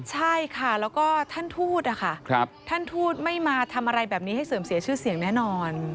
ใช่ค่ะแล้วก็ท่านทูตนะคะท่านทูตไม่มาทำอะไรแบบนี้ให้เสื่อมเสียชื่อเสียงแน่นอน